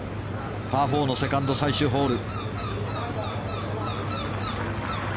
パー４のセカンド、最終ホール。